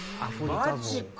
マジか！